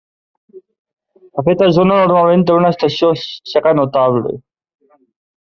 Aquesta zona normalment té una estació seca notable.